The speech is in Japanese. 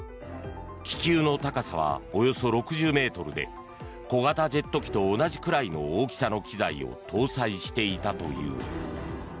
気球の高さはおよそ６０ｍで小型ジェット機と同じくらいの大きさの機材を搭載していたという。